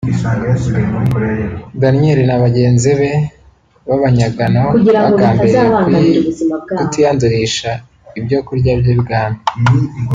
Daniyeli na bagenzi be b’abanyagano bagambiriye kutiyandurisha ibyo kurya by’I bwami